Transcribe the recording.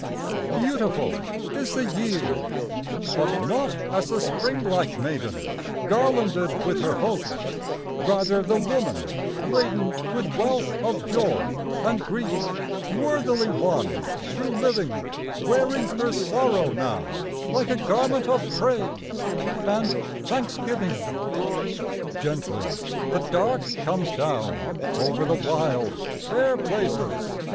Beautiful is the year, but not as the springlike maiden Garlanded with her hopes — rather the woman laden With wealth of joy and grief, worthily won through living, Wearing her sorrow now like a garment of praise and thanksgiving. Gently the dark comes down over the wild, fair places.